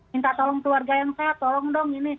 minta tolong keluarga yang sehat tolong dong ini